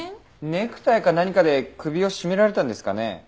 ネクタイか何かで首を絞められたんですかね？